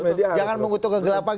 media harus jangan mengutuk kegelapan